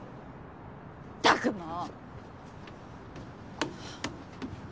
ったくもう。